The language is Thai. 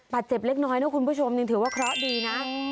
เจ็บเล็กน้อยนะคุณผู้ชมยังถือว่าเคราะห์ดีนะ